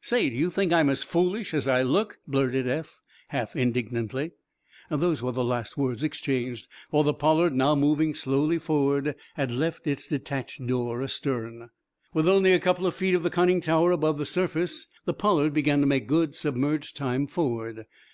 "Say, do you think I'm as foolish as I look?" blurted Eph, half indignantly. Those were the last words exchanged, for the "Pollard," now moving slowly forward, had left its detached door astern. With only a couple of feet of the conning tower above surface, the "Pollard" began to make good submerged time forward.